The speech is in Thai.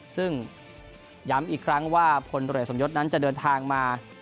ซึ่งย้ำอีกครั้งว่าพลเรือสมยศนั้นจะเดินทางมา